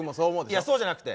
いやそうじゃなくて。